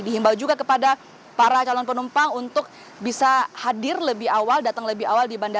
dihimbau juga kepada para calon penumpang untuk bisa hadir lebih awal datang lebih awal di bandara